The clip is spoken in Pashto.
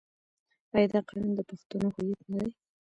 آیا دا قانون د پښتنو هویت نه دی؟